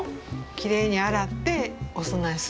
きれいに洗ってお供えする。